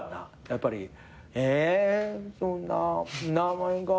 やっぱり「えそんな名前が」